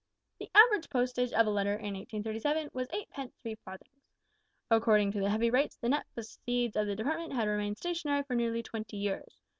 "The average postage of a letter in 1837 was 8 pence three farthings. Owing to the heavy rates the net proceeds of the Department had remained stationary for nearly twenty years.